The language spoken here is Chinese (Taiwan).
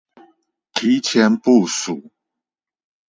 提前部署